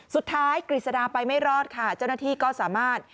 กฤษฎาไปไม่รอดค่ะเจ้าหน้าที่ก็สามารถ